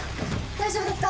大丈夫ですか？